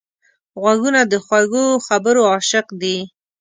غوږونه د خوږو خبرو عاشق دي